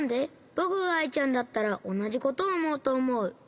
ぼくがアイちゃんだったらおなじことおもうとおもう。